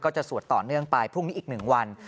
จะสวดต่อเนื่องไปพรุ่งนี้อีก๑วัน